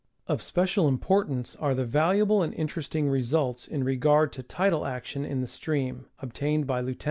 Of special importance are the valuable and interesting results in regard to tidal action in the stream obtained by Lieut.